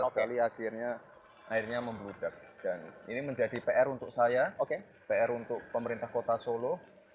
sekali akhirnya airnya membludak dan ini menjadi pr untuk saya pr untuk pemerintah kota solo